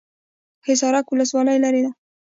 حصارک ولسوالۍ لیرې ده؟